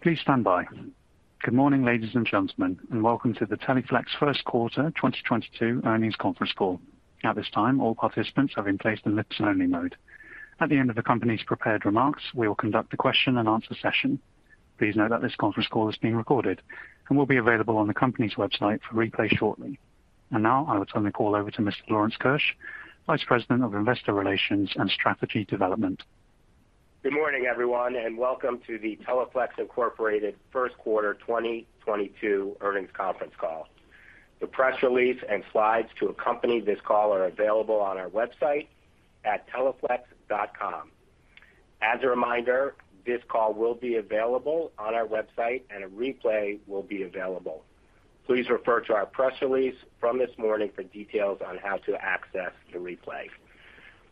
Please stand by. Good morning, ladies and gentlemen, and welcome to the Teleflex first quarter 2022 earnings conference call. At this time, all participants have been placed in listen-only mode. At the end of the company's prepared remarks, we will conduct a question-and-answer session. Please note that this conference call is being recorded and will be available on the company's website for replay shortly. Now I will turn the call over to Mr. Lawrence Keusch, Vice President of Investor Relations and Strategy Development. Good morning, everyone, and welcome to the Teleflex Incorporated first quarter 2022 earnings conference call. The press release and slides to accompany this call are available on our website at teleflex.com. As a reminder, this call will be available on our website, and a replay will be available. Please refer to our press release from this morning for details on how to access the replay.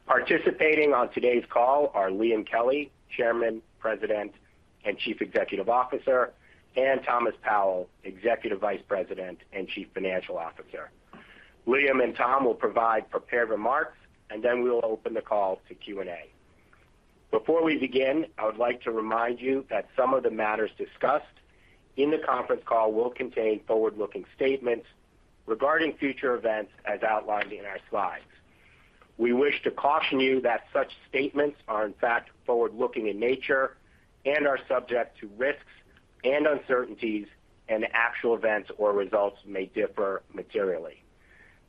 Participating on today's call are Liam Kelly, Chairman, President, and Chief Executive Officer, and Thomas Powell, Executive Vice President and Chief Financial Officer. Liam and Tom will provide prepared remarks, and then we will open the call to Q&A. Before we begin, I would like to remind you that some of the matters discussed in the conference call will contain forward-looking statements regarding future events as outlined in our slides. We wish to caution you that such statements are, in fact, forward-looking in nature and are subject to risks and uncertainties, and actual events or results may differ materially.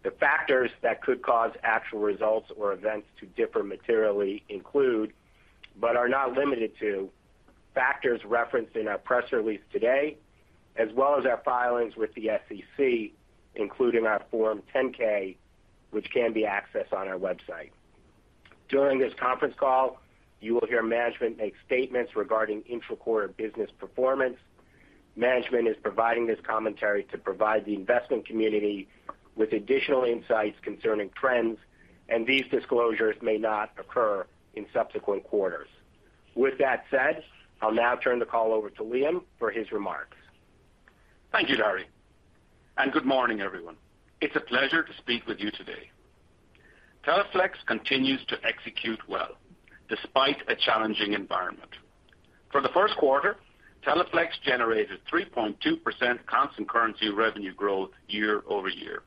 The factors that could cause actual results or events to differ materially include, but are not limited to, factors referenced in our press release today, as well as our filings with the SEC, including our Form 10-K, which can be accessed on our website. During this conference call, you will hear management make statements regarding intra-quarter business performance. Management is providing this commentary to provide the investment community with additional insights concerning trends, and these disclosures may not occur in subsequent quarters. With that said, I'll now turn the call over to Liam for his remarks. Thank you, Larry. Good morning, everyone. It's a pleasure to speak with you today. Teleflex continues to execute well despite a challenging environment. For the first quarter, Teleflex generated 3.2% constant currency revenue growth year-over-year.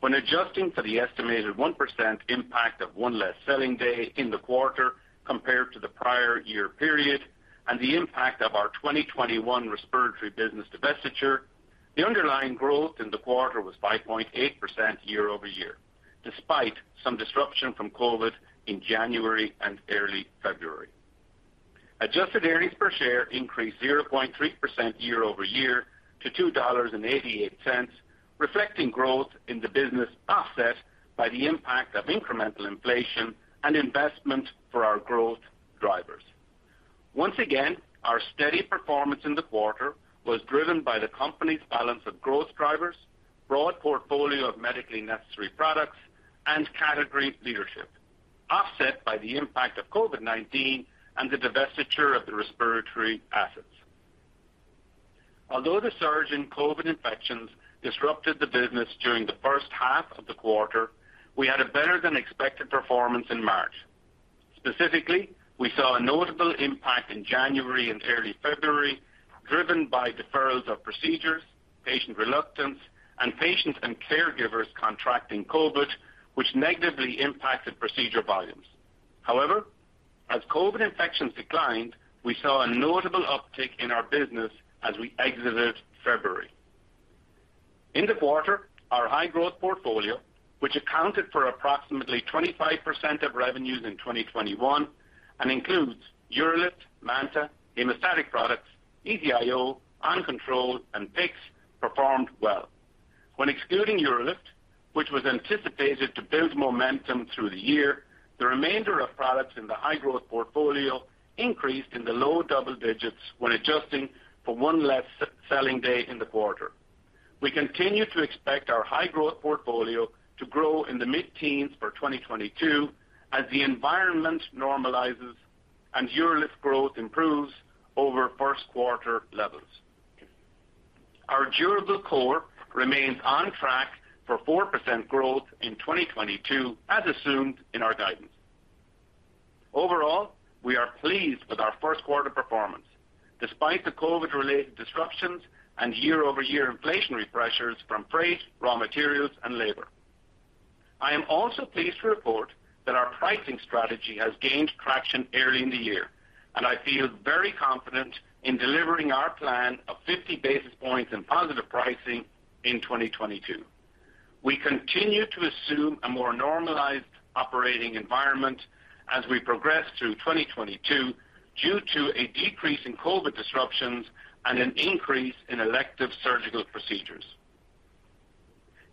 When adjusting for the estimated 1% impact of one less selling day in the quarter compared to the prior year period and the impact of our 2021 respiratory business divestiture, the underlying growth in the quarter was 5.8% year-over-year, despite some disruption from COVID in January and early February. Adjusted earnings per share increased 0.3% year-over-year to $2.88, reflecting growth in the business offset by the impact of incremental inflation and investment for our growth drivers. Once again, our steady performance in the quarter was driven by the company's balance of growth drivers, broad portfolio of medically necessary products and category leadership, offset by the impact of COVID-19 and the divestiture of the respiratory assets. Although the surge in COVID infections disrupted the business during the first half of the quarter, we had a better than expected performance in March. Specifically, we saw a notable impact in January and early February, driven by deferrals of procedures, patient reluctance, and patients and caregivers contracting COVID, which negatively impacted procedure volumes. However, as COVID infections declined, we saw a notable uptick in our business as we exited February. In the quarter, our high-growth portfolio, which accounted for approximately 25% of revenues in 2021 and includes UroLift, MANTA, hemostatic products, EZ-IO, OnControl, and PICC, performed well. When excluding UroLift, which was anticipated to build momentum through the year, the remainder of products in the high-growth portfolio increased in the low double digits when adjusting for one less selling day in the quarter. We continue to expect our high-growth portfolio to grow in the mid-teens for 2022 as the environment normalizes and UroLift growth improves over first quarter levels. Our durable core remains on track for 4% growth in 2022, as assumed in our guidance. Overall, we are pleased with our first quarter performance despite the COVID-related disruptions and year-over-year inflationary pressures from freight, raw materials and labor. I am also pleased to report that our pricing strategy has gained traction early in the year, and I feel very confident in delivering our plan of 50 basis points in positive pricing in 2022. We continue to assume a more normalized operating environment as we progress through 2022 due to a decrease in COVID disruptions and an increase in elective surgical procedures.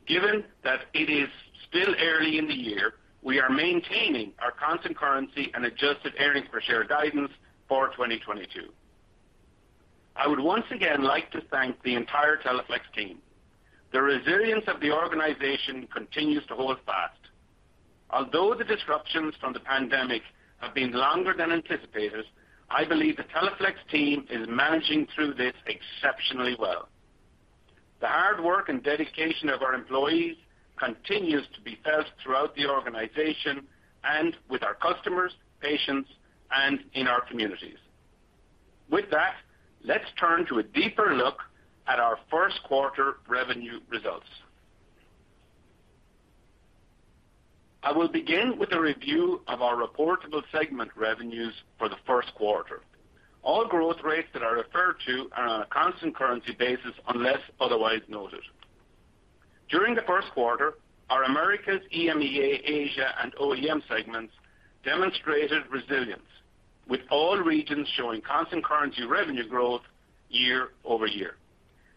Given that it is still early in the year, we are maintaining our constant currency and adjusted earnings per share guidance for 2022. I would once again like to thank the entire Teleflex team. The resilience of the organization continues to hold fast. Although the disruptions from the pandemic have been longer than anticipated, I believe the Teleflex team is managing through this exceptionally well. Hard work and dedication of our employees continues to be felt throughout the organization and with our customers, patients, and in our communities. With that, let's turn to a deeper look at our first quarter revenue results. I will begin with a review of our reportable segment revenues for the first quarter. All growth rates that are referred to are on a constant currency basis unless otherwise noted. During the first quarter, our Americas, EMEA, Asia, and OEM segments demonstrated resilience, with all regions showing constant currency revenue growth year-over-year.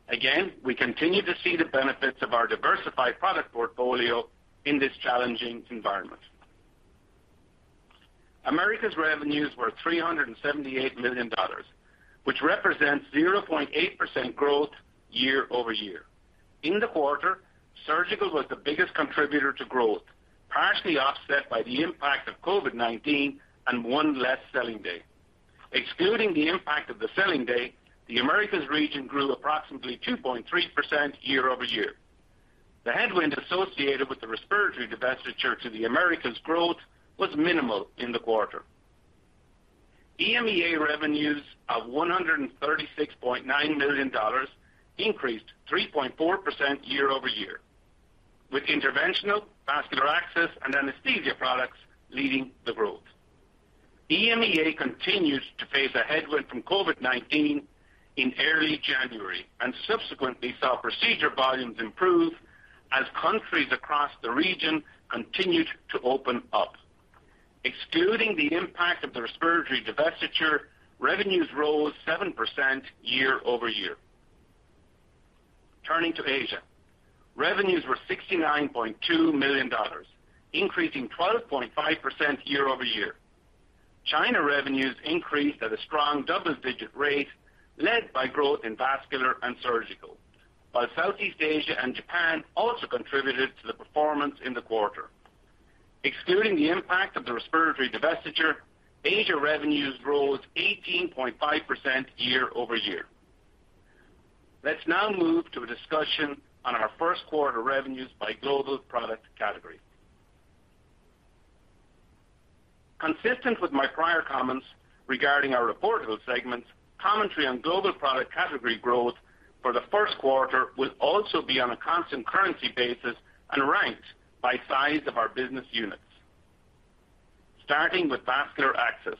Again, we continue to see the benefits of our diversified product portfolio in this challenging environment. Americas revenues were $378 million, which represents 0.8% growth year-over-year. In the quarter, surgical was the biggest contributor to growth, partially offset by the impact of COVID-19 and one less selling day. Excluding the impact of the selling day, the Americas region grew approximately 2.3% year-over-year. The headwind associated with the respiratory divestiture to the Americas growth was minimal in the quarter. EMEA revenues of $136.9 million increased 3.4% year-over-year, with interventional, vascular access, and anesthesia products leading the growth. EMEA continues to face a headwind from COVID-19 in early January, and subsequently saw procedure volumes improve as countries across the region continued to open up. Excluding the impact of the respiratory divestiture, revenues rose 7% year-over-year. Turning to Asia. Revenues were $69.2 million, increasing 12.5% year-over-year. China revenues increased at a strong double-digit rate led by growth in vascular and surgical. While Southeast Asia and Japan also contributed to the performance in the quarter. Excluding the impact of the respiratory divestiture, Asia revenues rose 18.5% year-over-year. Let's now move to a discussion on our first quarter revenues by global product category. Consistent with my prior comments regarding our reportable segments, commentary on global product category growth for the first quarter will also be on a constant currency basis and ranked by size of our business units. Starting with vascular access.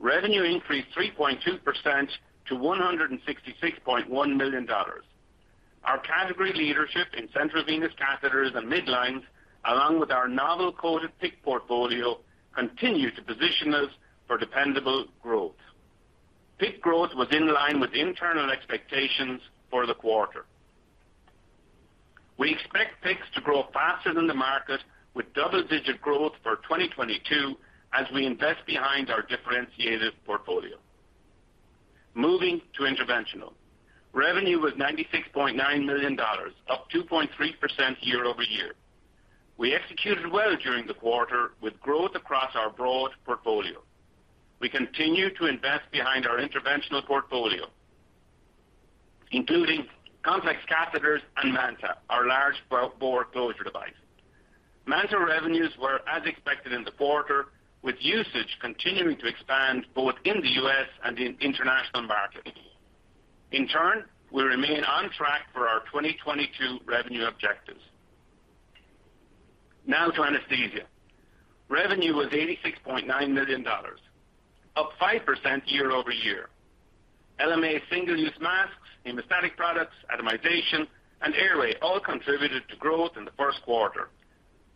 Revenue increased 3.2% to $166.1 million. Our category leadership in central venous catheters and midlines, along with our novel coated PICC portfolio, continue to position us for dependable growth. PICC growth was in line with internal expectations for the quarter. We expect PICCs to grow faster than the market, with double-digit growth for 2022 as we invest behind our differentiated portfolio. Moving to interventional. Revenue was $96.9 million, up 2.3% year-over-year. We executed well during the quarter with growth across our broad portfolio. We continue to invest behind our interventional portfolio, including complex catheters and MANTA, our large bore closure device. MANTA revenues were as expected in the quarter, with usage continuing to expand both in the U.S. and in international markets. In turn, we remain on track for our 2022 revenue objectives. Now to anesthesia. Revenue was $86.9 million, up 5% year-over-year. LMA single-use masks, hemostatic products, atomization, and airway all contributed to growth in the first quarter,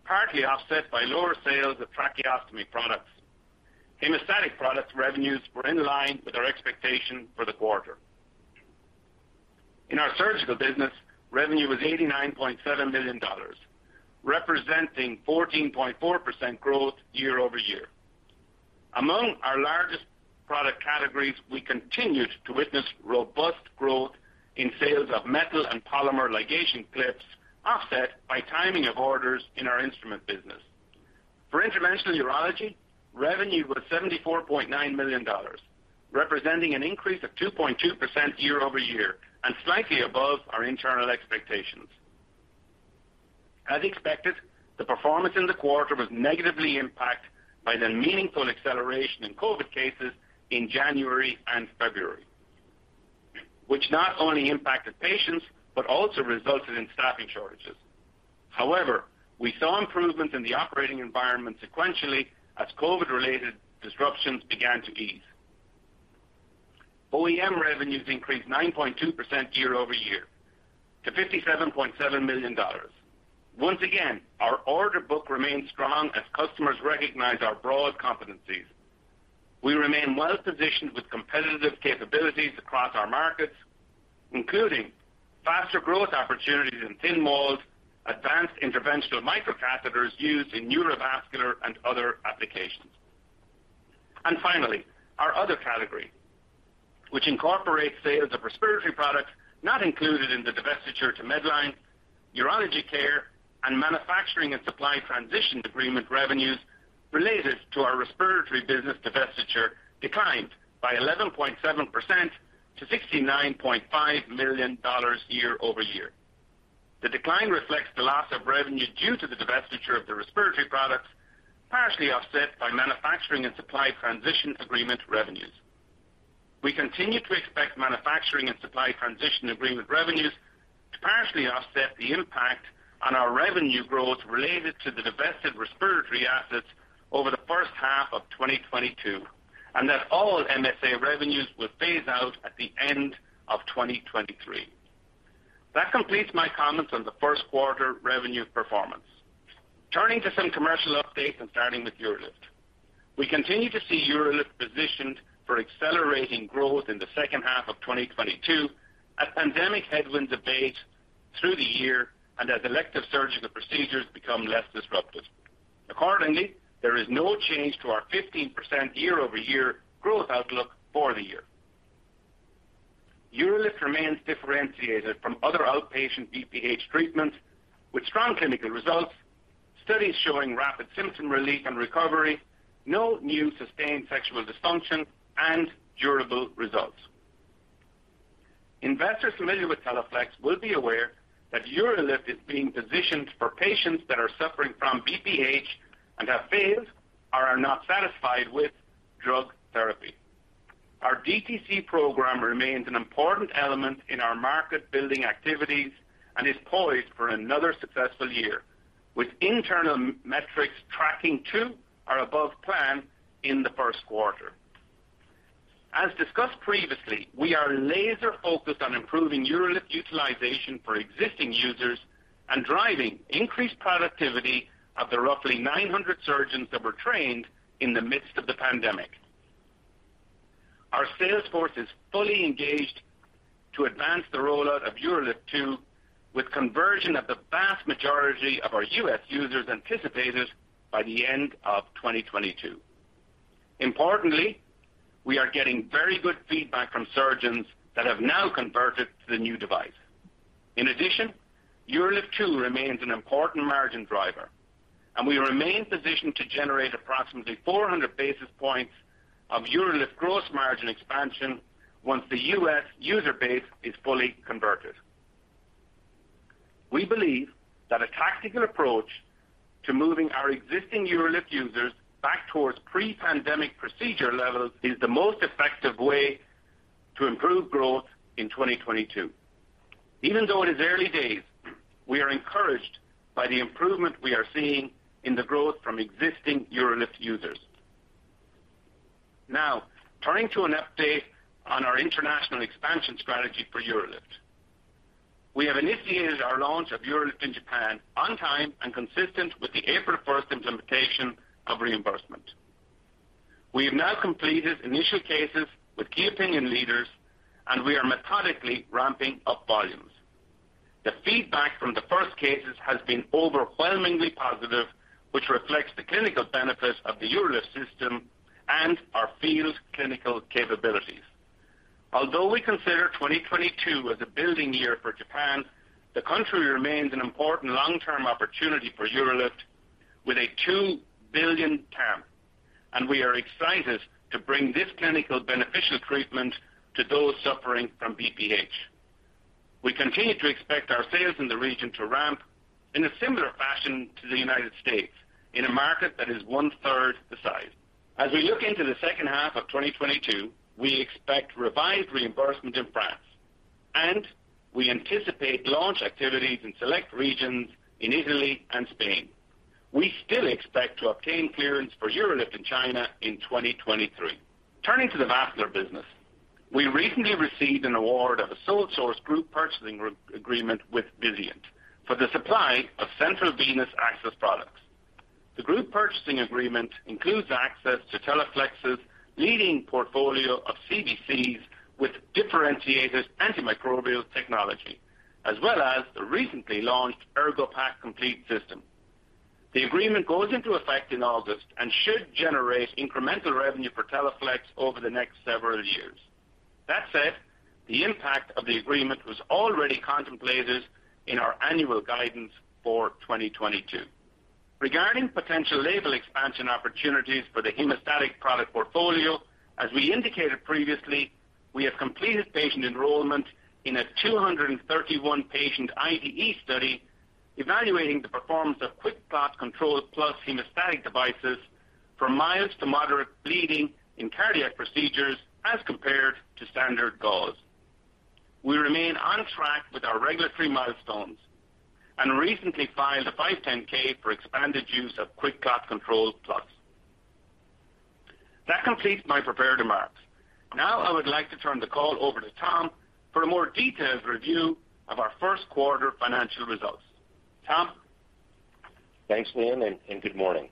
partly offset by lower sales of tracheostomy products. Hemostatic product revenues were in line with our expectation for the quarter. In our surgical business, revenue was $89.7 million, representing 14.4% growth year-over-year. Among our largest product categories, we continued to witness robust growth in sales of metal and polymer ligation clips, offset by timing of orders in our instrument business. For interventional urology, revenue was $74.9 million, representing an increase of 2.2% year-over-year and slightly above our internal expectations. As expected, the performance in the quarter was negatively impacted by the meaningful acceleration in COVID cases in January and February, which not only impacted patients, but also resulted in staffing shortages. However, we saw improvements in the operating environment sequentially as COVID-related disruptions began to ease. OEM revenues increased 9.2% year-over-year to $57.7 million. Once again, our order book remains strong as customers recognize our broad competencies. We remain well-positioned with competitive capabilities across our markets, including faster growth opportunities in thin molds, advanced interventional microcatheters used in neurovascular and other applications. Finally, our other category, which incorporates sales of respiratory products not included in the divestiture to Medline. Urology care and manufacturing and supply transition agreement revenues related to our respiratory business divestiture declined by 11.7% to $69.5 million year-over-year. The decline reflects the loss of revenue due to the divestiture of the respiratory products, partially offset by manufacturing and supply transition agreement revenues. We continue to expect manufacturing and supply transition agreement revenues to partially offset the impact on our revenue growth related to the divested respiratory assets over the first half of 2022, and that all MSA revenues will phase out at the end of 2023. That completes my comments on the first quarter revenue performance. Turning to some commercial updates and starting with UroLift. We continue to see UroLift positioned for accelerating growth in the second half of 2022 as pandemic headwinds abate through the year and as elective surgical procedures become less disruptive. Accordingly, there is no change to our 15% year-over-year growth outlook for the year. UroLift remains differentiated from other outpatient BPH treatments with strong clinical results, studies showing rapid symptom relief and recovery, no new sustained sexual dysfunction and durable results. Investors familiar with Teleflex will be aware that UroLift is being positioned for patients that are suffering from BPH and have failed or are not satisfied with drug therapy. Our DTC program remains an important element in our market building activities and is poised for another successful year, with internal metrics tracking to or above plan in the first quarter. As discussed previously, we are laser focused on improving UroLift utilization for existing users and driving increased productivity of the roughly 900 surgeons that were trained in the midst of the pandemic. Our sales force is fully engaged to advance the rollout of UroLift 2, with conversion of the vast majority of our U.S. users anticipated by the end of 2022. Importantly, we are getting very good feedback from surgeons that have now converted to the new device. In addition, UroLift 2 remains an important margin driver, and we remain positioned to generate approximately 400 basis points of UroLift gross margin expansion once the U.S. user base is fully converted. We believe that a tactical approach to moving our existing UroLift users back towards pre-pandemic procedure levels is the most effective way to improve growth in 2022. Even though it is early days, we are encouraged by the improvement we are seeing in the growth from existing UroLift users. Now, turning to an update on our international expansion strategy for UroLift. We have initiated our launch of UroLift in Japan on time and consistent with the April 1st implementation of reimbursement. We have now completed initial cases with key opinion leaders, and we are methodically ramping up volumes. The feedback from the first cases has been overwhelmingly positive, which reflects the clinical benefits of the UroLift system and our field's clinical capabilities. Although we consider 2022 as a building year for Japan, the country remains an important long-term opportunity for UroLift with a $2 billion TAM, and we are excited to bring this clinically beneficial treatment to those suffering from BPH. We continue to expect our sales in the region to ramp in a similar fashion to the United States in a market that is 1/3 the size. As we look into the second half of 2022, we expect revised reimbursement in France, and we anticipate launch activities in select regions in Italy and Spain. We still expect to obtain clearance for UroLift in China in 2023. Turning to the vascular business. We recently received an award of a sole source group purchasing agreement with Vizient for the supply of central venous access products. The group purchasing agreement includes access to Teleflex's leading portfolio of CVCs with differentiated antimicrobial technology, as well as the recently launched ErgoPack Complete System. The agreement goes into effect in August and should generate incremental revenue for Teleflex over the next several years. That said, the impact of the agreement was already contemplated in our annual guidance for 2022. Regarding potential label expansion opportunities for the hemostatic product portfolio, as we indicated previously, we have completed patient enrollment in a 231-patient IDE study evaluating the performance of QuikClot Control+ Hemostatic devices from mild to moderate bleeding in cardiac procedures as compared to standard gauze. We remain on track with our regulatory milestones and recently filed a 510(k) for expanded use of QuikClot Control+. That completes my prepared remarks. Now, I would like to turn the call over to Tom for a more detailed review of our first quarter financial results. Tom? Thanks, Liam, and good morning.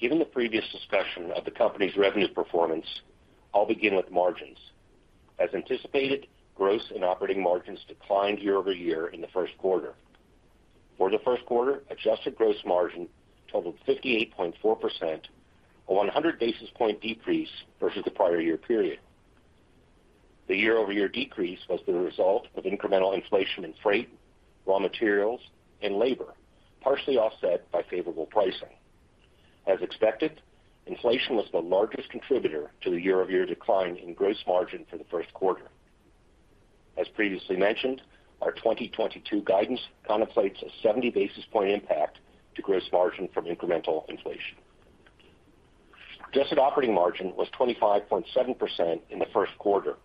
Given the previous discussion of the company's revenue performance, I'll begin with margins. As anticipated, gross and operating margins declined year-over-year in the first quarter. For the first quarter, adjusted gross margin totaled 58.4%, a 100 basis point decrease versus the prior year period. The year-over-year decrease was the result of incremental inflation in freight, raw materials, and labor, partially offset by favorable pricing. As expected, inflation was the largest contributor to the year-over-year decline in gross margin for the first quarter. As previously mentioned, our 2022 guidance contemplates a 70 basis point impact to gross margin from incremental inflation. Adjusted operating margin was 25.7% in the first quarter.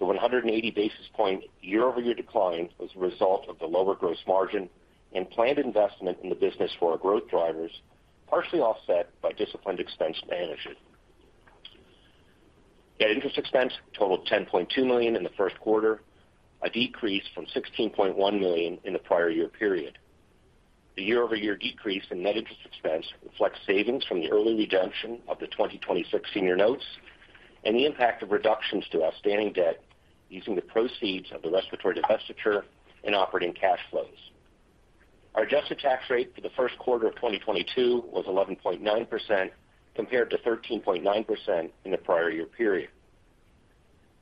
The 180 basis point year-over-year decline was a result of the lower gross margin and planned investment in the business for our growth drivers, partially offset by disciplined expense management. Net interest expense totaled $10.2 million in the first quarter, a decrease from $16.1 million in the prior year period. The year-over-year decrease in net interest expense reflects savings from the early redemption of the 2026 senior notes and the impact of reductions to outstanding debt using the proceeds of the respiratory divestiture and operating cash flows. Our adjusted tax rate for the first quarter of 2022 was 11.9% compared to 13.9% in the prior year period.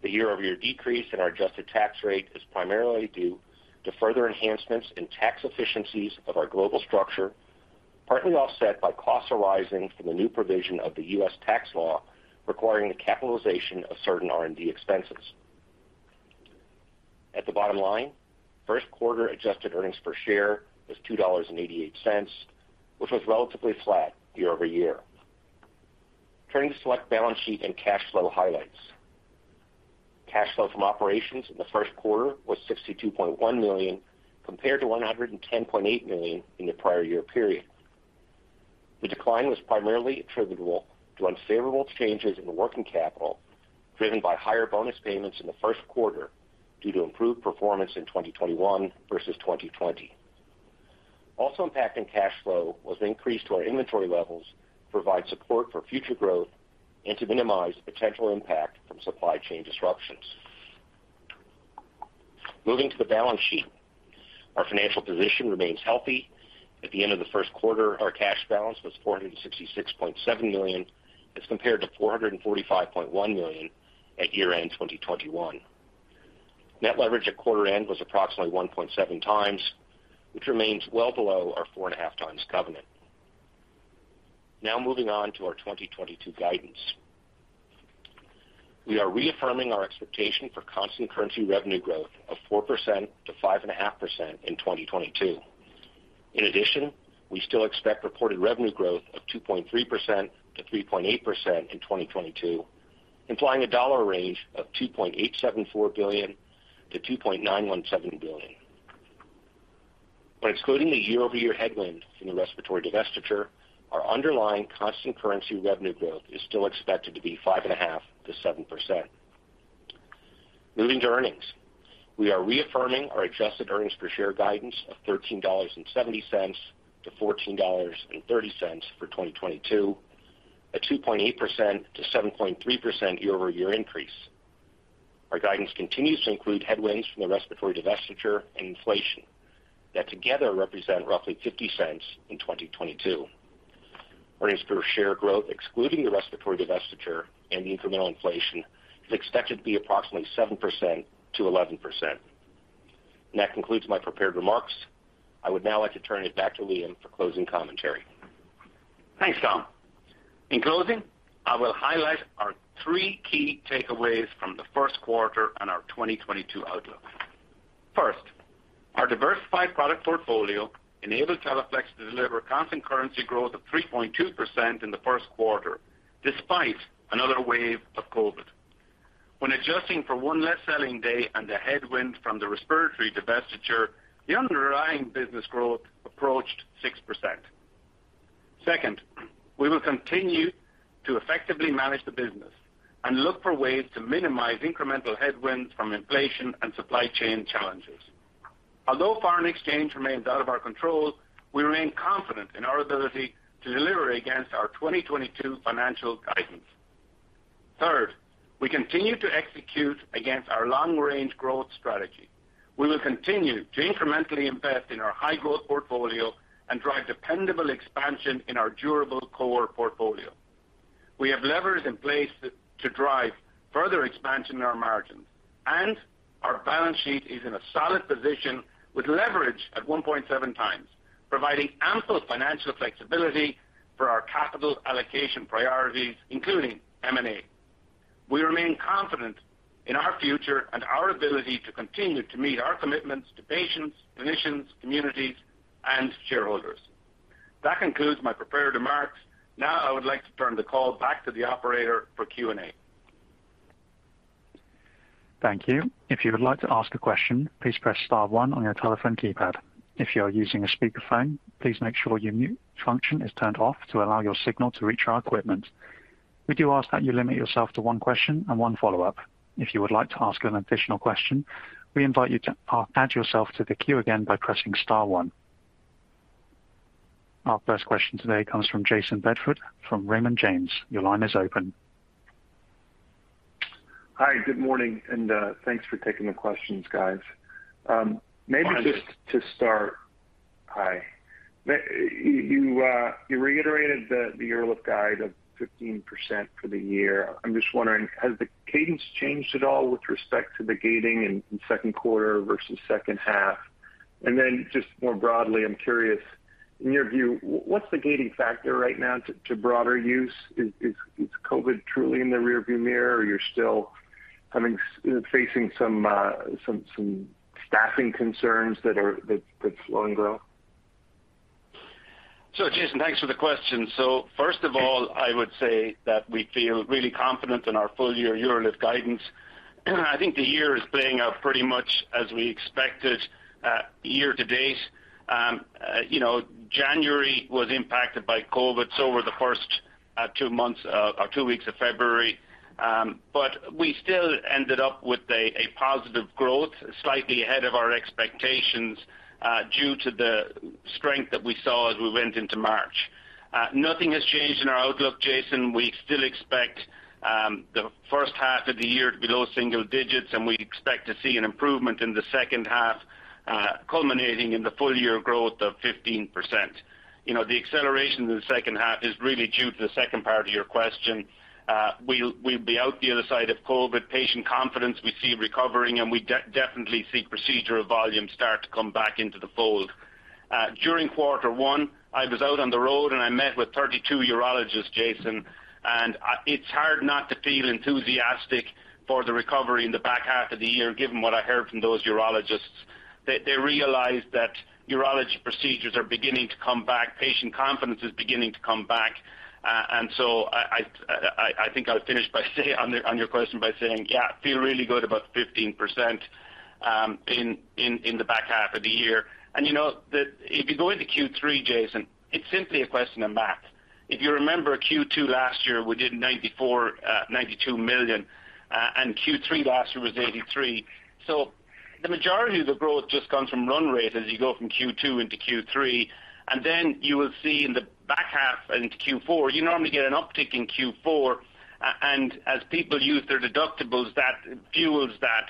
The year-over-year decrease in our adjusted tax rate is primarily due to further enhancements in tax efficiencies of our global structure, partly offset by costs arising from the new provision of the U.S. tax law requiring the capitalization of certain R&D expenses. At the bottom line, first quarter adjusted earnings per share was $2.88, which was relatively flat year-over-year. Turning to select balance sheet and cash flow highlights. Cash flow from operations in the first quarter was $62.1 million, compared to $110.8 million in the prior year period. The decline was primarily attributable to unfavorable changes in the working capital, driven by higher bonus payments in the first quarter due to improved performance in 2021 versus 2020. Also impacting cash flow was the increase to our inventory levels to provide support for future growth and to minimize the potential impact from supply chain disruptions. Moving to the balance sheet. Our financial position remains healthy. At the end of the first quarter, our cash balance was $466.7 million as compared to $445.1 million at year-end 2021. Net leverage at quarter end was approximately 1.7 times, which remains well below our 4.5times covenant. Now moving on to our 2022 guidance. We are reaffirming our expectation for constant currency revenue growth of 4%-5.5% in 2022. In addition, we still expect reported revenue growth of 2.3%-3.8% in 2022, implying a range of $2.874 billion-$2.917 billion. When excluding the year-over-year headwind from the respiratory divestiture, our underlying constant currency revenue growth is still expected to be 5.5%-7%. Moving to earnings. We are reaffirming our adjusted earnings per share guidance of $13.70-$14.30 for 2022, a 2.8%-7.3% year-over-year increase. Our guidance continues to include headwinds from the respiratory divestiture and inflation that together represent roughly $0.50 in 2022. Earnings per share growth, excluding the respiratory divestiture and the incremental inflation, is expected to be approximately 7%-11%. That concludes my prepared remarks. I would now like to turn it back to Liam for closing commentary. Thanks, Tom. In closing, I will highlight our three key takeaways from the first quarter and our 2022 outlook. First, our diversified product portfolio enabled Teleflex to deliver constant currency growth of 3.2% in the first quarter, despite another wave of COVID. When adjusting for one less selling day and the headwind from the respiratory divestiture, the underlying business growth approached 6%. Second, we will continue to effectively manage the business and look for ways to minimize incremental headwinds from inflation and supply chain challenges. Although foreign exchange remains out of our control, we remain confident in our ability to deliver against our 2022 financial guidance. Third, we continue to execute against our long-range growth strategy. We will continue to incrementally invest in our high-growth portfolio and drive dependable expansion in our durable core portfolio. We have levers in place to drive further expansion in our margins, and our balance sheet is in a solid position with leverage at 1.7times, providing ample financial flexibility for our capital allocation priorities, including M&A. We remain confident in our future and our ability to continue to meet our commitments to patients, clinicians, communities, and shareholders. That concludes my prepared remarks. Now I would like to turn the call back to the operator for Q&A. Thank you. If you would like to ask a question, please press star one on your telephone keypad. If you are using a speakerphone, please make sure your mute function is turned off to allow your signal to reach our equipment. We do ask that you limit yourself to one question and one follow-up. If you would like to ask an additional question, we invite you to add yourself to the queue again by pressing star one. Our first question today comes from Jayson Bedford from Raymond James. Your line is open. Hi, good morning, and thanks for taking the questions, guys. Maybe just to start- Hi. You reiterated the UroLift guide of 15% for the year. I'm just wondering, has the cadence changed at all with respect to the gating in second quarter versus second half? Then just more broadly, I'm curious, in your view, what's the gating factor right now to broader use? Is COVID truly in the rear view mirror or you're still facing some staffing concerns that's slowing growth? Jayson, thanks for the question. First of all, I would say that we feel really confident in our full-year UroLift guidance. I think the year is playing out pretty much as we expected year to date. You know, January was impacted by COVID, so were the first two months or two weeks of February. But we still ended up with a positive growth, slightly ahead of our expectations due to the strength that we saw as we went into March. Nothing has changed in our outlook, Jayson. We still expect the first half of the year to be low single digits, and we expect to see an improvement in the second half, culminating in the full-year growth of 15%. You know, the acceleration in the second half is really due to the second part of your question. We'll be out the other side of COVID. Patient confidence we see recovering, and we definitely see procedural volume start to come back into the fold. During quarter one, I was out on the road, and I met with 32 urologists, Jayson, and it's hard not to feel enthusiastic for the recovery in the back half of the year, given what I heard from those urologists. They realized that urology procedures are beginning to come back. Patient confidence is beginning to come back. I think I'll finish by saying on your question, yeah, feel really good about 15% in the back half of the year. You know that if you go into Q3, Jayson, it's simply a question of math. If you remember Q2 last year, we did 94, 92 million, and Q3 last year was 83. The majority of the growth just comes from run rate as you go from Q2 into Q3. Then you will see in the back half into Q4, you normally get an uptick in Q4. As people use their deductibles, that fuels that.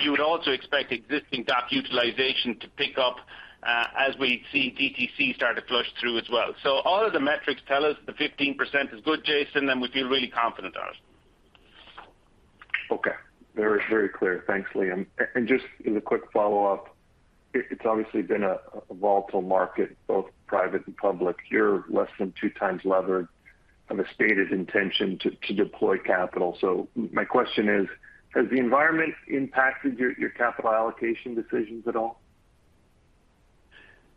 You would also expect existing doc utilization to pick up, as we see DTC start to flush through as well. All of the metrics tell us the 15% is good, Jayson, and we feel really confident on it. Okay. Very, very clear. Thanks, Liam. Just as a quick follow-up, it's obviously been a volatile market, both private and public. You're less than 2x levered on a stated intention to deploy capital. My question is, has the environment impacted your capital allocation decisions at all?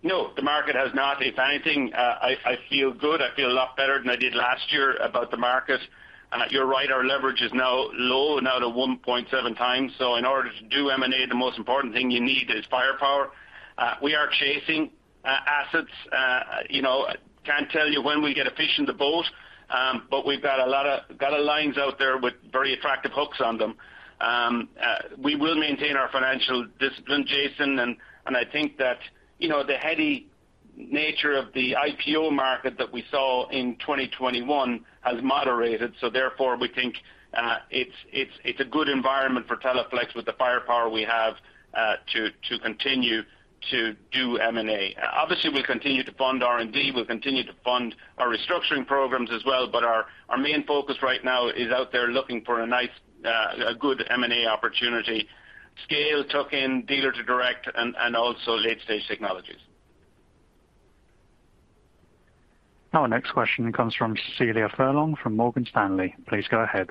No, the market has not. If anything, I feel good. I feel a lot better than I did last year about the market. You're right, our leverage is now low to 1.7x. In order to do M&A, the most important thing you need is firepower. We are chasing assets. You know, can't tell you when we get a fish in the boat, but we've got lines out there with very attractive hooks on them. We will maintain our financial discipline, Jayson. I think that, you know, the heady nature of the IPO market that we saw in 2021 has moderated. Therefore, we think, it's a good environment for Teleflex with the firepower we have, to continue to do M&A. Obviously, we'll continue to fund R&D. We'll continue to fund our restructuring programs as well. Our main focus right now is out there looking for a nice, a good M&A opportunity. Scale, tuck in, dealer to direct, and also late-stage technologies. Our next question comes from Cecilia Furlong from Morgan Stanley. Please go ahead.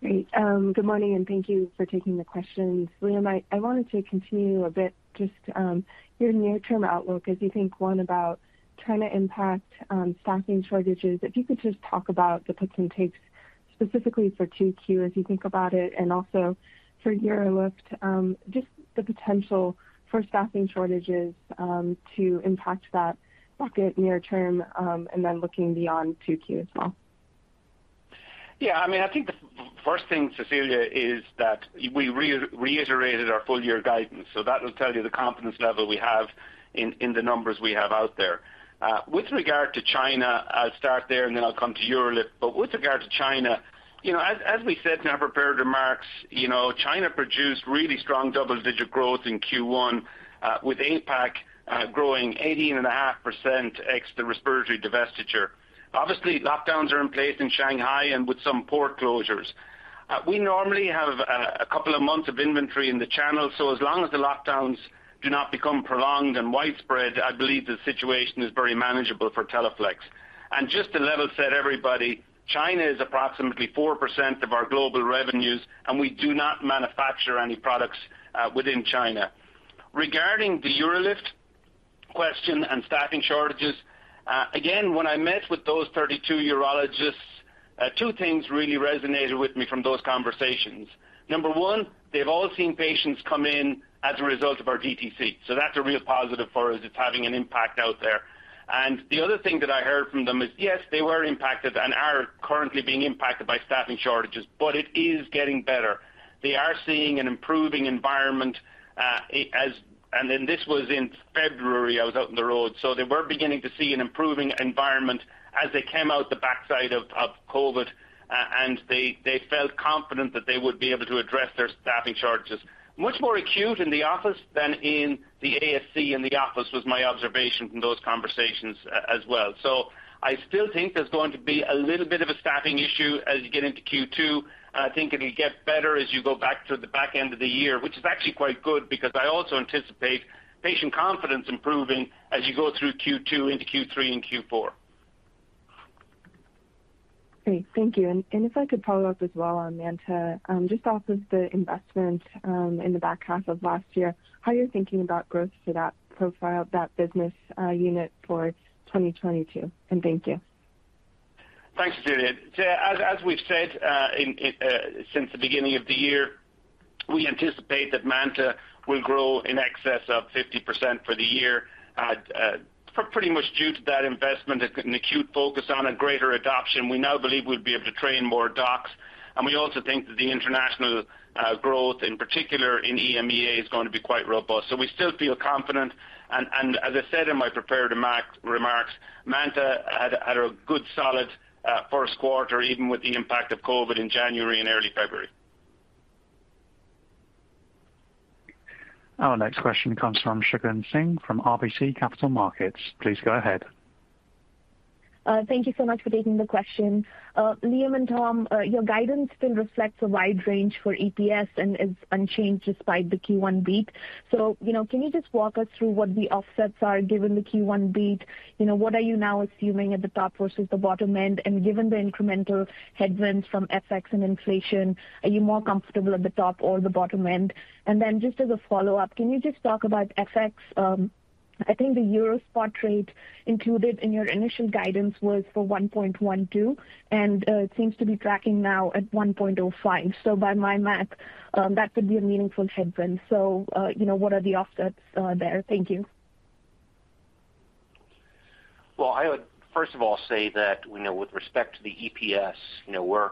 Great. Good morning, and thank you for taking the questions. Liam, I wanted to continue a bit just your near-term outlook as you think, one, about China impact on staffing shortages. If you could just talk about the puts and takes specifically for 2Q as you think about it, and also for UroLift, just the potential for staffing shortages to impact that bucket near term, and then looking beyond 2Q as well? Yeah. I mean, I think the first thing, Cecilia, is that we reiterated our full year guidance, so that will tell you the confidence level we have in the numbers we have out there. With regard to China, I'll start there and then I'll come to UroLift. With regard to China, you know, as we said in our prepared remarks, you know, China produced really strong double-digit growth in Q1, with APAC growing 18.5% ex the respiratory divestiture. Obviously, lockdowns are in place in Shanghai and with some port closures. We normally have a couple of months of inventory in the channel, so as long as the lockdowns do not become prolonged and widespread, I believe the situation is very manageable for Teleflex. Just to level set everybody, China is approximately 4% of our global revenues, and we do not manufacture any products within China. Regarding the UroLift question and staffing shortages, again, when I met with those 32 urologists, two things really resonated with me from those conversations. Number one, they've all seen patients come in as a result of our DTC, so that's a real positive for us. It's having an impact out there. The other thing that I heard from them is, yes, they were impacted and are currently being impacted by staffing shortages, but it is getting better. They are seeing an improving environment. This was in February I was out on the road, so they were beginning to see an improving environment as they came out the backside of COVID. They felt confident that they would be able to address their staffing shortages. Much more acute in the office than in the ASC in the office was my observation from those conversations as well. I still think there's going to be a little bit of a staffing issue as you get into Q2. I think it'll get better as you go back to the back end of the year, which is actually quite good because I also anticipate patient confidence improving as you go through Q2 into Q3 and Q4. Great. Thank you. If I could follow up as well on MANTA, just off of the investment, in the back half of last year, how you're thinking about growth for that profile, that business unit for 2022? Thank you. Thanks, Juliet. As we've said since the beginning of the year, we anticipate that MANTA will grow in excess of 50% for the year. Pretty much due to that investment, it's an acute focus on a greater adoption. We now believe we'll be able to train more docs, and we also think that the international growth, in particular in EMEA, is going to be quite robust. We still feel confident. As I said in my prepared remarks, MANTA had a good solid first quarter, even with the impact of COVID in January and early February. Our next question comes from Shagun Singh from RBC Capital Markets. Please go ahead. Thank you so much for taking the question. Liam and Tom, your guidance still reflects a wide range for EPS and is unchanged despite the Q1 beat. You know, can you just walk us through what the offsets are given the Q1 beat? You know, what are you now assuming at the top versus the bottom end? And given the incremental headwinds from FX and inflation, are you more comfortable at the top or the bottom end? And then just as a follow-up, can you just talk about FX? I think the Euro spot rate included in your initial guidance was for 1.12, and it seems to be tracking now at 1.05. By my math, that could be a meaningful headwind. You know, what are the offsets there? Thank you. Well, I would first of all say that, you know, with respect to the EPS, you know, we're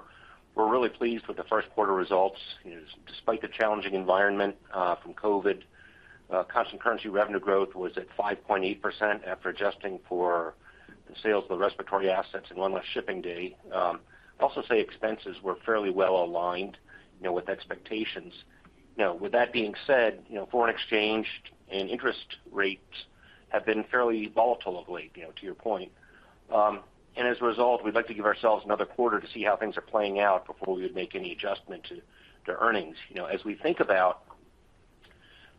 really pleased with the first quarter results. Despite the challenging environment from COVID, constant currency revenue growth was at 5.8% after adjusting for the sales of the respiratory assets and one less shipping day. Also say expenses were fairly well aligned, you know, with expectations. You know, with that being said, you know, foreign exchange and interest rates have been fairly volatile of late, you know, to your point. As a result, we'd like to give ourselves another quarter to see how things are playing out before we would make any adjustment to earnings. You know, as we think about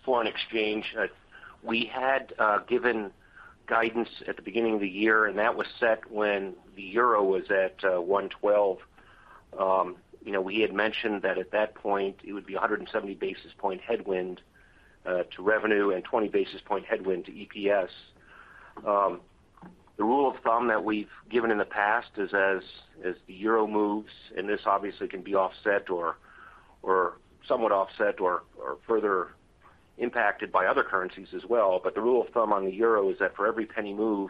foreign exchange, we had given guidance at the beginning of the year, and that was set when the euro was at 1.12. You know, we had mentioned that at that point, it would be a 170 basis point headwind to revenue and 20 basis point headwind to EPS. The rule of thumb that we've given in the past is as the euro moves, and this obviously can be offset or somewhat offset or further impacted by other currencies as well. But the rule of thumb on the euro is that for every penny move,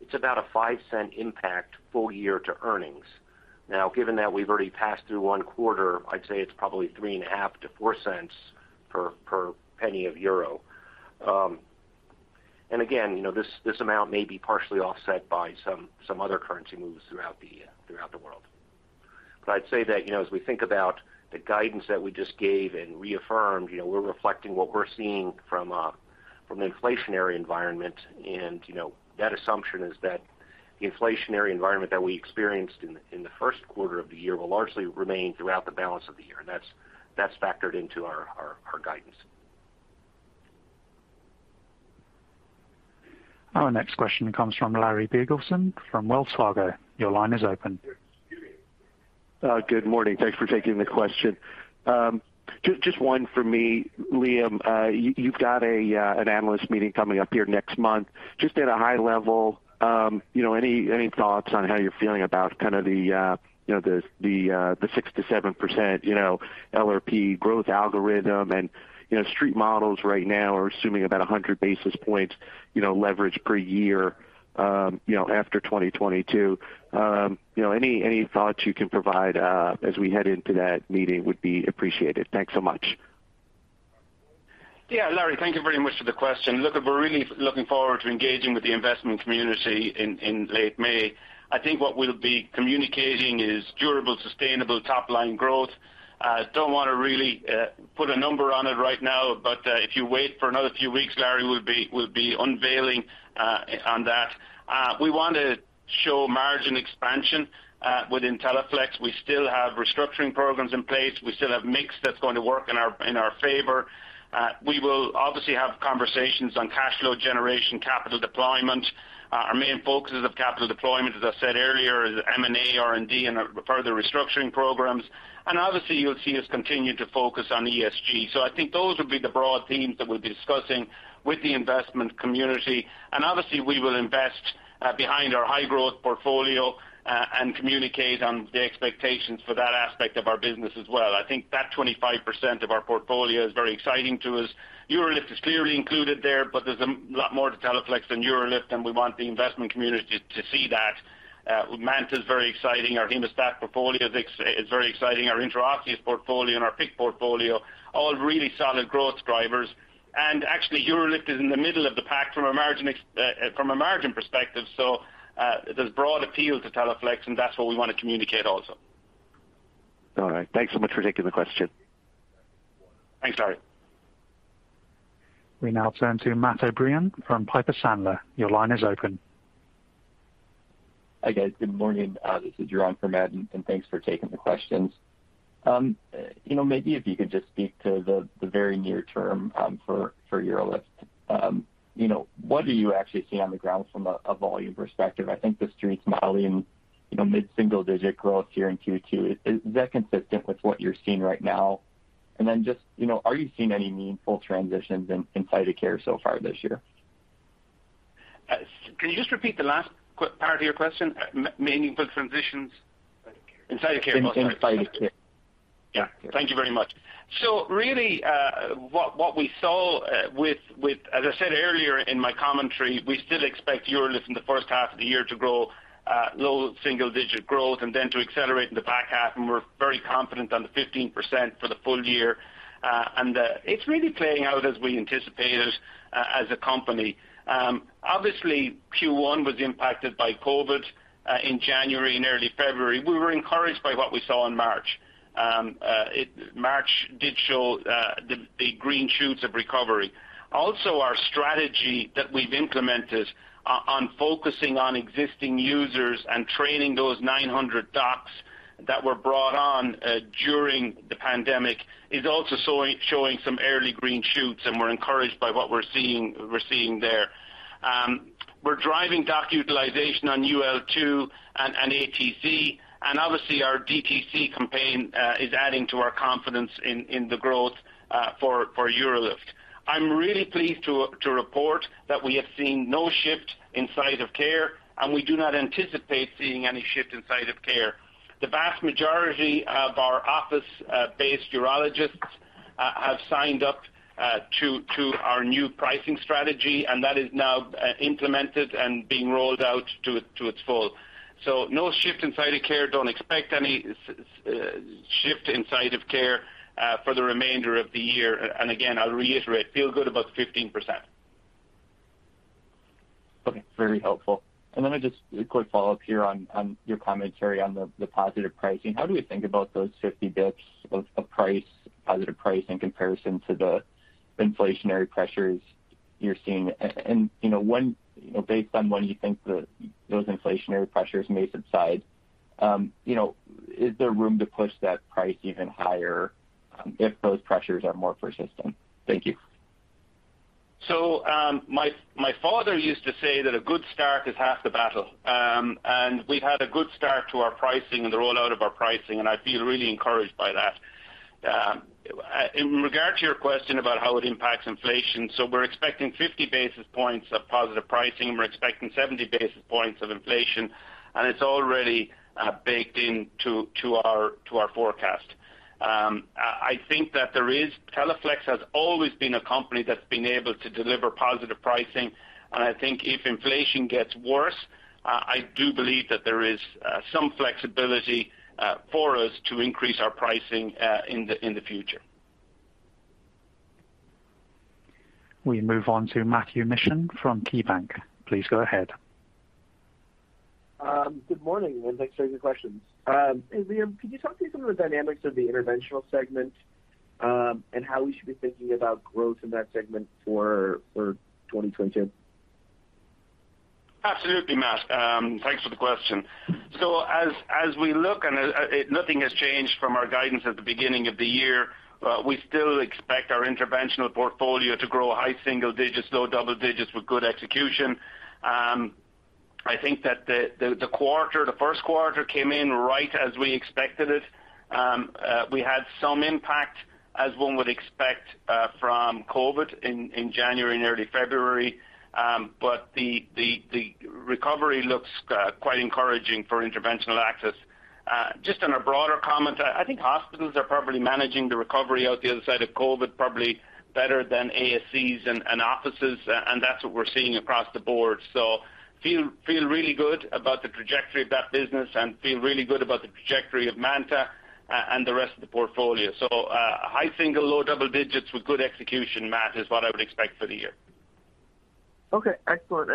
it's about a $0.05 impact full year to earnings. Now, given that we've already passed through one quarter, I'd say it's probably $0.035-$0.04 per penny of euro. Again, you know, this amount may be partially offset by some other currency moves throughout the world. I'd say that, you know, as we think about the guidance that we just gave and reaffirmed, you know, we're reflecting what we're seeing from the inflationary environment. You know, that assumption is that the inflationary environment that we experienced in the first quarter of the year will largely remain throughout the balance of the year. That's factored into our guidance. Our next question comes from Larry Biegelsen from Wells Fargo. Your line is open. Good morning. Thanks for taking the question. Just one for me, Liam. You've got an analyst meeting coming up here next month. Just at a high level, you know, any thoughts on how you're feeling about kind of the 6%-7% LRP growth algorithm? You know, street models right now are assuming about 100 basis points, you know, leverage per year, you know, after 2022. You know, any thoughts you can provide as we head into that meeting would be appreciated. Thanks so much. Yeah. Larry, thank you very much for the question. Look, we're really looking forward to engaging with the investment community in late May. I think what we'll be communicating is durable, sustainable top line growth. Don't wanna really put a number on it right now, but if you wait for another few weeks, Larry, we'll be unveiling on that. We want to show margin expansion within Teleflex. We still have restructuring programs in place. We still have mix that's going to work in our favor. We will obviously have conversations on cash flow generation, capital deployment. Our main focuses of capital deployment, as I said earlier, is M&A, R&D, and further restructuring programs. Obviously, you'll see us continue to focus on ESG. I think those would be the broad themes that we'll be discussing with the investment community. Obviously, we will invest behind our high-growth portfolio and communicate on the expectations for that aspect of our business as well. I think that 25% of our portfolio is very exciting to us. UroLift is clearly included there, but there's a lot more to Teleflex than UroLift, and we want the investment community to see that. MANTA is very exciting. Our hemostatic portfolio is very exciting. Our intraosseous portfolio and our PICC portfolio, all really solid growth drivers. Actually, UroLift is in the middle of the pack from a margin perspective. There's broad appeal to Teleflex, and that's what we wanna communicate also. All right. Thanks so much for taking the question. Thanks, Larry. We now turn to Matt O'Brien from Piper Sandler. Your line is open. Hi, guys. Good morning. This is Drew Ranieri from Morgan Stanley, and thanks for taking the questions. You know, maybe if you could just speak to the very near term for UroLift. You know, what do you actually see on the ground from a volume perspective? I think the Street's modeling, you know, mid-single digit growth here in Q2. Is that consistent with what you're seeing right now? Just, you know, are you seeing any meaningful transitions in site of care so far this year? Can you just repeat the last part of your question? Meaningful transitions. In site of care. Yeah. Thank you very much. Really, what we saw with... As I said earlier in my commentary, we still expect UroLift in the first half of the year to grow low single digit growth and then to accelerate in the back half, and we're very confident on the 15% for the full year. It's really playing out as we anticipated as a company. Obviously, Q1 was impacted by COVID in January and early February. We were encouraged by what we saw in March. March did show the green shoots of recovery. Also, our strategy that we've implemented on focusing on existing users and training those 900 docs that were brought on during the pandemic is also showing some early green shoots, and we're encouraged by what we're seeing there. We're driving doc utilization on UroLift 2 and ASC, and obviously, our DTC campaign is adding to our confidence in the growth for UroLift. I'm really pleased to report that we have seen no shift in site of care, and we do not anticipate seeing any shift in site of care. The vast majority of our office-based urologists have signed up to our new pricing strategy, and that is now implemented and being rolled out to its full. No shift in site of care. Don't expect any shift in site of care for the remainder of the year. I'll reiterate, feel good about the 15%. Okay, very helpful. Let me just quick follow-up here on your commentary on the positive pricing. How do we think about those 50 basis points of price, positive price in comparison to the inflationary pressures you're seeing? You know, when you know, based on when you think those inflationary pressures may subside, you know, is there room to push that price even higher, if those pressures are more persistent? Thank you. My father used to say that a good start is half the battle. We've had a good start to our pricing and the rollout of our pricing, and I feel really encouraged by that. In regard to your question about how it impacts inflation, we're expecting 50 basis points of positive pricing, and we're expecting 70 basis points of inflation, and it's already baked into our forecast. Teleflex has always been a company that's been able to deliver positive pricing, and I think if inflation gets worse, I do believe that there is some flexibility for us to increase our pricing in the future. We move on to Matthew Mishan from KeyBanc. Please go ahead. Good morning, and thanks for taking the questions. Liam, could you talk through some of the dynamics of the interventional segment, and how we should be thinking about growth in that segment for 2022? Absolutely, Matt. Thanks for the question. As we look and nothing has changed from our guidance at the beginning of the year, we still expect our interventional portfolio to grow high single digits, low double digits with good execution. I think that the first quarter came in right as we expected it. We had some impact as one would expect, from COVID in January and early February. The recovery looks quite encouraging for interventional access. Just on a broader comment, I think hospitals are probably managing the recovery out the other side of COVID probably better than ASCs and offices, and that's what we're seeing across the board. Feel really good about the trajectory of that business and feel really good about the trajectory of MANTA and the rest of the portfolio. High single-digit, low double-digit % with good execution, Matt, is what I would expect for the year. Okay. Excellent.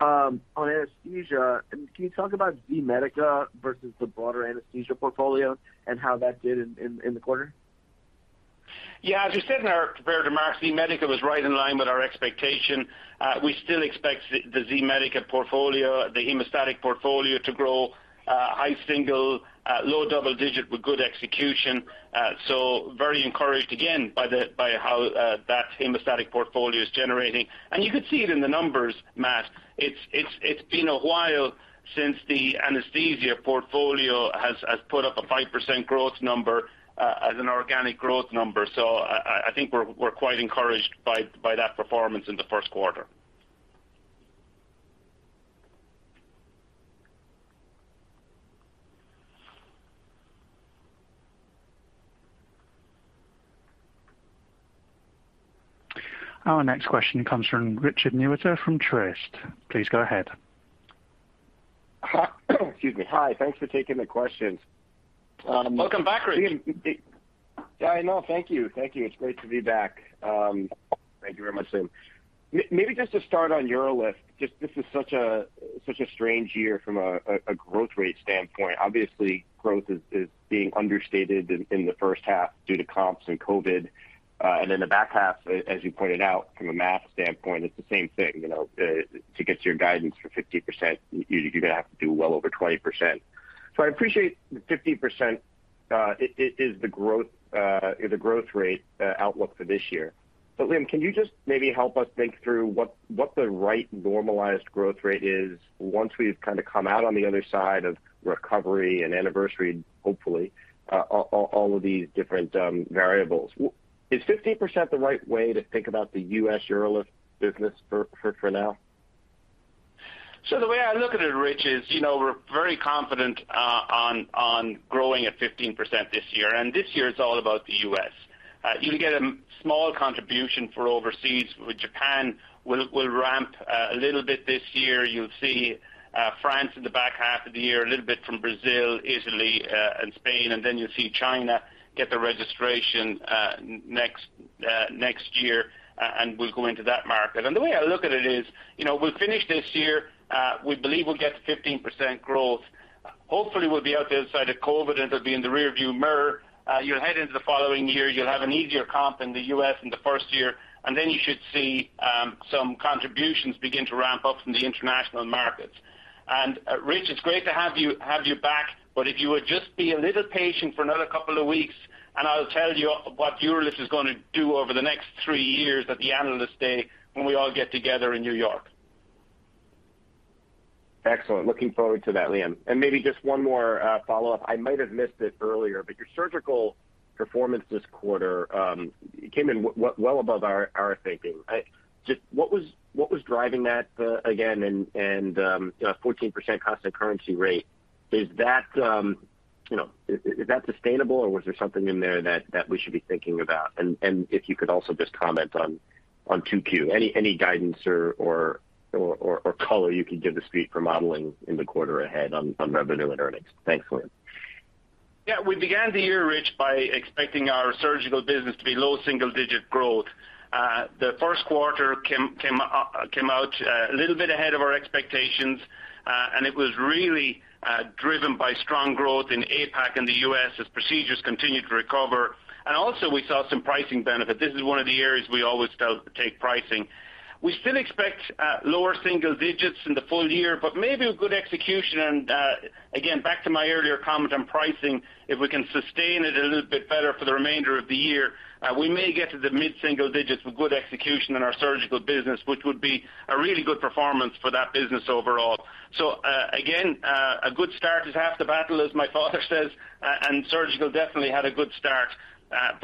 On anesthesia, and can you talk about Z-Medica versus the broader anesthesia portfolio and how that did in the quarter? Yeah. As we said in our prepared remarks, Z-Medica was right in line with our expectation. We still expect the Z-Medica portfolio, the hemostatic portfolio to grow high single-digit, low double-digit with good execution. Very encouraged again by how that hemostatic portfolio is generating. You could see it in the numbers, Matt. It's been a while since the anesthesia portfolio has put up a 5% growth number as an organic growth number. I think we're quite encouraged by that performance in the first quarter. Our next question comes from Richard Newitter from Truist. Please go ahead. Excuse me. Hi. Thanks for taking the questions. Welcome back, Rich. Yeah, I know. Thank you. It's great to be back. Thank you very much, Liam. Maybe just to start on UroLift. Just, this is such a strange year from a growth rate standpoint. Obviously, growth is being understated in the first half due to comps and COVID. The back half, as you pointed out from a math standpoint, it's the same thing, you know. To get to your guidance for 50%, you're gonna have to do well over 20%. I appreciate the 50%. It is the growth rate outlook for this year. Liam, can you just maybe help us think through what the right normalized growth rate is once we've kind of come out on the other side of recovery and anniversary, hopefully, all of these different variables. Is 15% the right way to think about the U.S. UroLift business for now? The way I look at it, Rich, is, you know, we're very confident on growing at 15% this year. This year it's all about the U.S. You'll get a small contribution for overseas, with Japan will ramp a little bit this year. You'll see France in the back half of the year, a little bit from Brazil, Italy, and Spain. Then you'll see China get the registration next year, and we'll go into that market. The way I look at it is, you know, we'll finish this year, we believe we'll get to 15% growth. Hopefully, we'll be out the other side of COVID, and it'll be in the rear view mirror. You'll head into the following year, you'll have an easier comp in the U.S. in the first year, and then you should see some contributions begin to ramp up from the international markets. Richard, it's great to have you back, but if you would just be a little patient for another couple of weeks, and I'll tell you what UroLift is gonna do over the next three years at the Analyst Day when we all get together in New York. Excellent. Looking forward to that, Liam. Maybe just one more follow-up. I might have missed it earlier, but your surgical performance this quarter came in well above our thinking. Just what was driving that again, and you know, 14% constant currency rate, is that you know, is that sustainable or was there something in there that we should be thinking about? If you could also just comment on 2Q, any guidance or color you can give us for modeling in the quarter ahead on revenue and earnings. Thanks, Liam. Yeah. We began the year, Rich, by expecting our surgical business to be low single digit growth. The first quarter came out a little bit ahead of our expectations. It was really driven by strong growth in APAC and the US as procedures continued to recover. Also we saw some pricing benefit. This is one of the areas we always take pricing. We still expect lower single digits in the full year, but maybe with good execution and, again, back to my earlier comment on pricing, if we can sustain it a little bit better for the remainder of the year, we may get to the mid single digits with good execution in our surgical business, which would be a really good performance for that business overall. Again, a good start is half the battle, as my father says, and surgical definitely had a good start.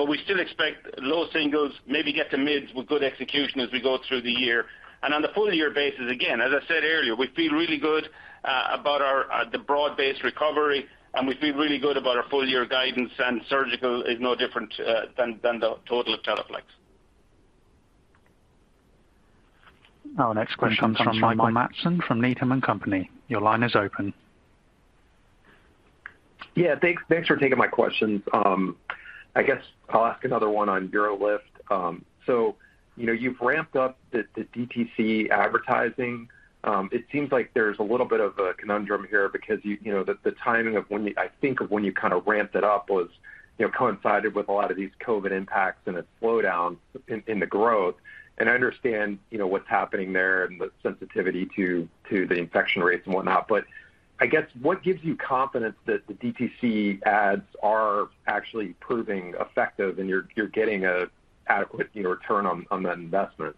We still expect low singles, maybe get to mids with good execution as we go through the year. On the full year basis, again, as I said earlier, we feel really good about the broad-based recovery, and we feel really good about our full year guidance, and surgical is no different than the total of Teleflex. Our next question comes from Mike Matson from Needham & Company. Your line is open. Yeah. Thanks for taking my questions. I guess I'll ask another one on UroLift. So, you know, you've ramped up the DTC advertising. It seems like there's a little bit of a conundrum here because you know the timing of when you kind of ramped it up was, you know, coincided with a lot of these COVID impacts and a slowdown in the growth. I understand, you know, what's happening there and the sensitivity to the infection rates and whatnot. I guess what gives you confidence that the DTC ads are actually proving effective and you're getting an adequate, you know, return on that investment?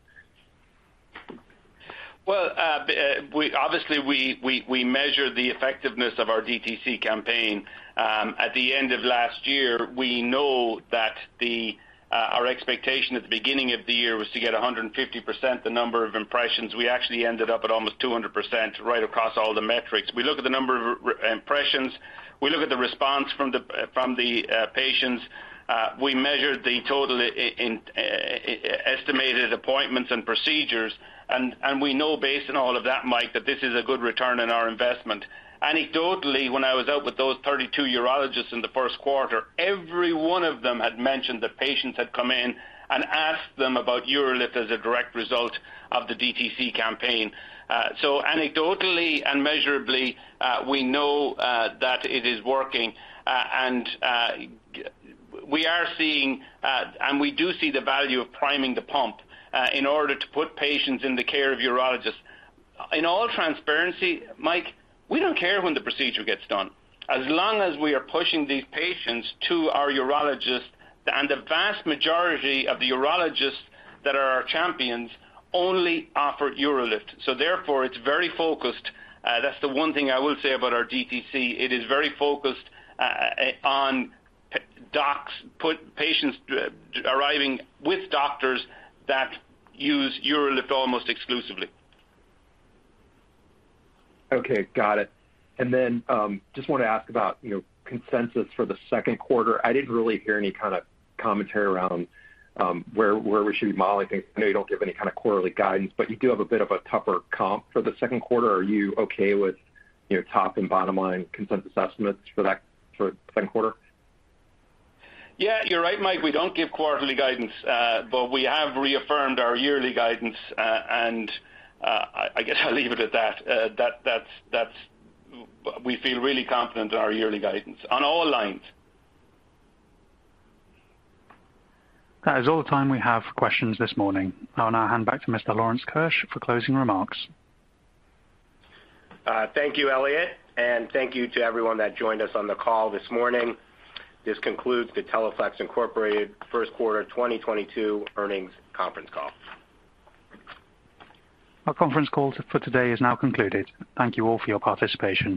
Well, obviously, we measured the effectiveness of our DTC campaign at the end of last year. We know that our expectation at the beginning of the year was to get 150% the number of impressions. We actually ended up at almost 200% right across all the metrics. We look at the number of impressions, we look at the response from the patients, we measured the total estimated appointments and procedures, and we know based on all of that, Mike, that this is a good return on our investment. Anecdotally, when I was out with those 32 urologists in the first quarter, every one of them had mentioned that patients had come in and asked them about UroLift as a direct result of the DTC campaign. Anecdotally and measurably, we know that it is working. We are seeing, and we do see the value of priming the pump, in order to put patients in the care of urologists. In all transparency, Mike, we don't care when the procedure gets done, as long as we are pushing these patients to our urologists. The vast majority of the urologists that are our champions only offer UroLift. Therefore it's very focused. That's the one thing I will say about our DTC. It is very focused on docs, but patients arriving with doctors that use UroLift almost exclusively. Okay. Got it. Just wanna ask about, you know, consensus for the second quarter. I didn't really hear any kind of commentary around where we should be modeling. I know you don't give any kind of quarterly guidance, but you do have a bit of a tougher comp for the second quarter. Are you okay with, you know, top and bottom line consensus estimates for that sort of second quarter? Yeah, you're right, Mike. We don't give quarterly guidance. We have reaffirmed our yearly guidance. I guess I'll leave it at that. We feel really confident in our yearly guidance on all lines. That is all the time we have for questions this morning. I'll now hand back to Mr. Lawrence Keusch for closing remarks. Thank you, Elliot, and thank you to everyone that joined us on the call this morning. This concludes the Teleflex Incorporated first quarter 2022 earnings conference call. Our conference call for today is now concluded. Thank you all for your participation.